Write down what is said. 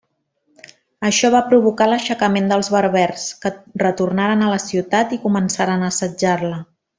Això va provocar l'aixecament dels berbers, que retornaren a la ciutat i començaren a assetjar-la.